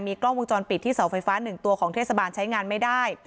กล้องวงจรปิดที่เสาไฟฟ้า๑ตัวของเทศบาลใช้งานไม่ได้